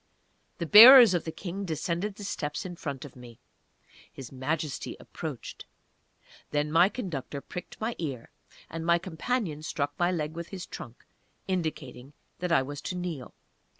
The bearers of the King descended the steps in front of me. His Majesty approached. Then my conductor pricked my ear, and my companion struck my leg with his trunk, indicating that I was to kneel.